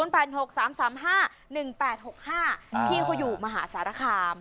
พี่เขาอยู่มหาสารคาม